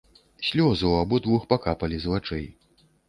Слёзы ў абодвух пакапалі з вачэй.